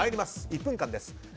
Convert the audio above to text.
１分間です。